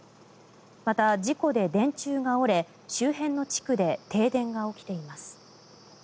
また事故で電柱が折れ周辺の地区で停電が起きています。